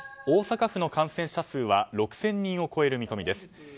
大阪府の感染者数は６０００人を超える見込みです。